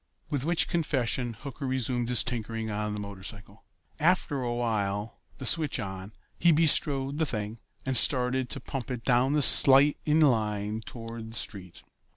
With which confession Hooker resumed his tinkering on the motorcycle. After a while, with the switch on, he bestrode the thing and started to pump it down the slight in line toward the street.